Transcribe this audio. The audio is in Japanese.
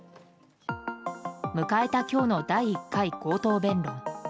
迎えた、今日の第１回口頭弁論。